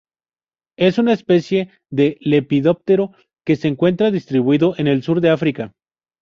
Es una especie de lepidóptero, que se encuentra distribuido en el sur de África.